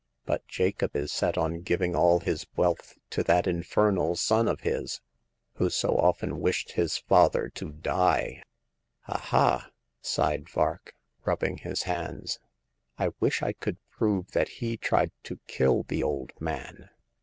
But Jacob is set on giving all his wealth to that infernal son of his, who so often wished his father to die. Aha !" sighed Vark, rubbing his hands, I wish I could prove that he tried to kill the old man.